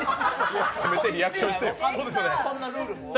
せめてリアクションしてよ。